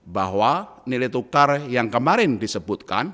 bahwa nilai tukar yang kemarin disebutkan